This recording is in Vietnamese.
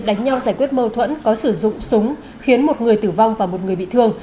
đánh nhau giải quyết mâu thuẫn có sử dụng súng khiến một người tử vong và một người bị thương